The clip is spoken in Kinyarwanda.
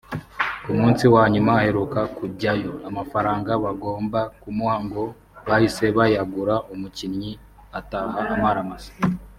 Ku munsi wa nyuma aheruka kujyayo amafaranga bagombaga kumuha ngo bahise bayagura umukinnyi ataha amaramasa